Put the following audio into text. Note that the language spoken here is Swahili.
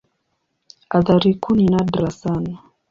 Athari kuu ni nadra sana.